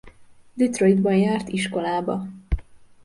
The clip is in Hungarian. Detroitban járt iskolába.